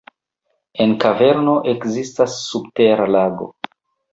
En kaverno ekzistas subtera lago.